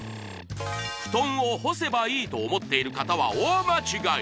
布団を干せばいいと思っている方は大間違い！